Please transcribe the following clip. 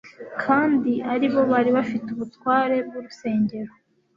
kandi aribo bari bafite ubutware bw'urusengero.